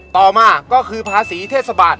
ต่อมาก็คือภาษีเทศบาล